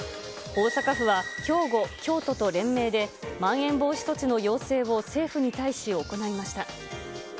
大阪府は兵庫、京都と連名で、まん延防止措置の要請を政府に対し行いました。